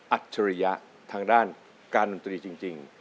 ฉริยะทางด้านการดนตรีจริง